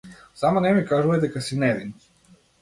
Само не ми кажувај дека си невин.